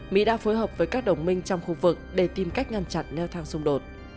mỹ đã phối hợp với các đồng minh trong khu vực để tìm cách ngăn chặn leo thang xung đột